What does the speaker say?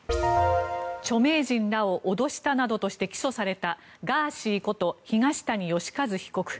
著名人らを脅したなどとして起訴されたガーシーこと東谷義和被告。